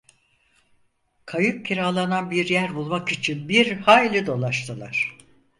Kayık kiralanan bir yer bulmak için bir hayli dolaştılar.